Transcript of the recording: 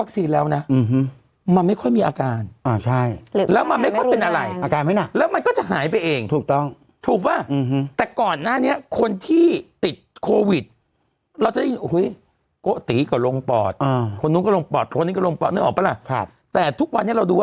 แต่มันไม่ค่อยออกการเพราะคุณฉีดวัคซีนกันแล้ว